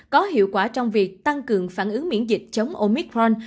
có hiệu quả trong việc tăng cường phản ứng miễn dịch chống oicron